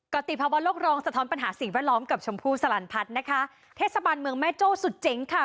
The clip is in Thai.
ติภาวะโลกรองสะท้อนปัญหาสิ่งแวดล้อมกับชมพู่สลันพัฒน์นะคะเทศบาลเมืองแม่โจ้สุดเจ๋งค่ะ